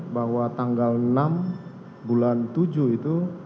bahwa tanggal enam bulan tujuh itu